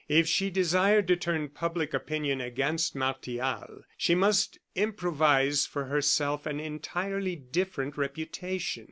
If she desired to turn public opinion against Martial, she must improvise for herself an entirely different reputation.